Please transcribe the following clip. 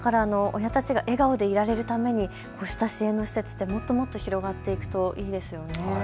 親たちが笑顔でいられるためにこうした支援の施設ってもっともっと広がっていくといいですよね。